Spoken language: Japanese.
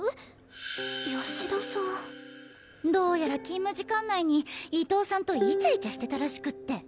どうやら勤務時間内に伊藤さんとイチャイチャしてたらしくって。